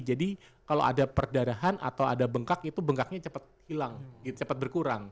jadi kalau ada perdarahan atau ada bengkak itu bengkaknya cepat hilang cepat berkurang